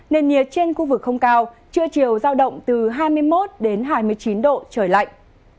nền nhiệt trên khu vực không cao trưa chiều giao động từ hai mươi một đến hai mươi chín độ trời lạnh